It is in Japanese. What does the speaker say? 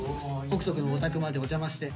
北斗くんのお宅までお邪魔して。